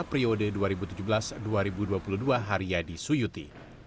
periode dua ribu tujuh belas dua ribu dua puluh dua haryadi suyuti